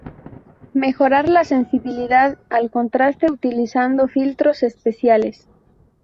Mejorar la sensibilidad al contraste: utilizando filtros especiales.